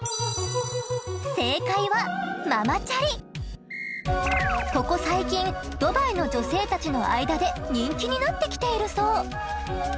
正解はここ最近ドバイの女性たちの間で人気になってきているそう。